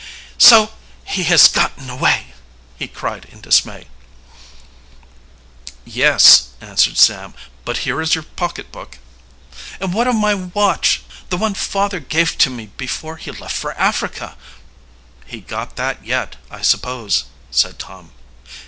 "So he has gotten away!" he cried in dismay. "Yes," answered Sam, "but here is your pocketbook." "And what of my watch the one father gave to me before he left for Africa?" "He's got that yet, I suppose," said Tom.